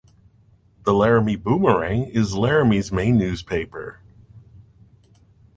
The "Laramie Boomerang" is Laramie's main newspaper.